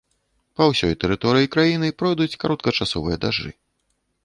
Па ўсёй тэрыторыі краіны пройдуць кароткачасовыя дажджы.